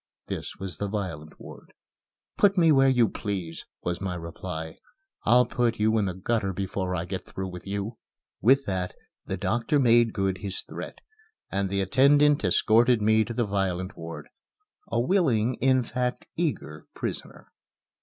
(This was the violent ward.) "Put me where you please," was my reply. "I'll put you in the gutter before I get through with you." With that the doctor made good his threat, and the attendant escorted me to the violent ward a willing, in fact, eager prisoner.